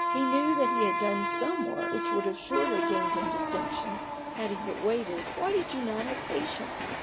He knew that he had done some work which would have surely gained him distinction, had he but waited. Why did you not have patience